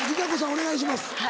お願いします。